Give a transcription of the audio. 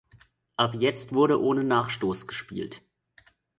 Ab jetzt wurde ohne Nachstoß gespielt.